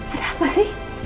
ada apa sih